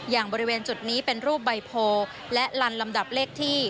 อย่างบริเวณจุดนี้เป็นรูปใบโพและลันลำดับเลขที่